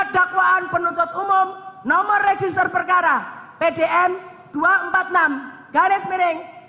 garis mering dua ribu dua puluh dua